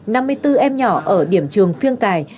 các bé nhỏ ở điểm trường phiêng cài